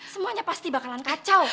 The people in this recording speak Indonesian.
semuanya pasti bakalan kacau